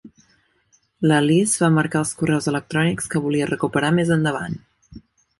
L'Alice va marcar els correus electrònics que volia recuperar més endavant.